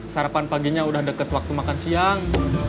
sarapan paginya udah deket waktu makan siang